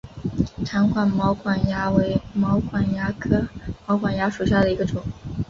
长管毛管蚜为毛管蚜科毛管蚜属下的一个种。